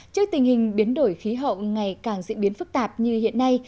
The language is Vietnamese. trước tình hình biến đổi khí hậu ngày càng diễn biến phức tạp như hiện nay